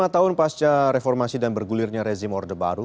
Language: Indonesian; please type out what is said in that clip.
dua puluh lima tahun pasca reformasi dan bergulirnya rezim order baru